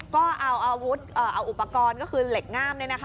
ก็เอาอุปกรณ์ก็คือเหล็กง่าม